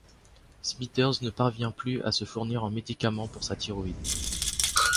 Smithers ne parvient plus à se fournir en médicaments pour sa thyroïde.